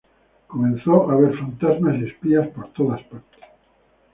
Comenzó a ver fantasmas y espías en todas partes.